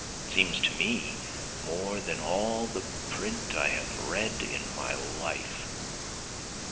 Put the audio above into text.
It seems to me more than all the print I have read in my life.